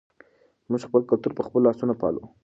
موږ خپل کلتور په خپلو لاسونو پالو.